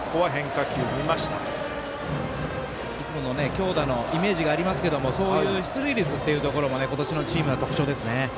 強打のイメージがありますがそういう出塁率というところも今年のチームの特徴ですね。